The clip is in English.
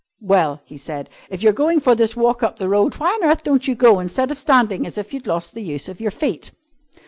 "Well," he said, "if you're going for this walk up the road why on earth don't you go, instead of standing as if you'd lost the use of your feet?"